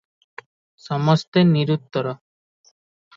ସମସ୍ତେ ନିରୁତ୍ତର ।